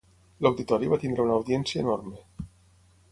L'auditori va tenir una audiència enorme.